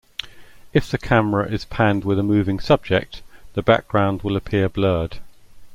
If the camera is panned with a moving subject, the background will appear blurred.